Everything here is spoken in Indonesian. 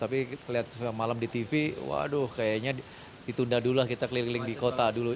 tapi kelihatan malam di tv waduh kayaknya ditunda dulu lah kita keliling di kota dulu